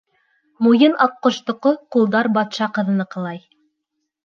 Муйын аҡҡоштоҡо, ҡулдар батша ҡыҙыныҡылай!